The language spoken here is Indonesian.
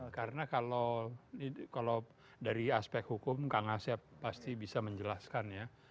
karena kalau dari aspek hukum kang aset pasti bisa menjelaskan ya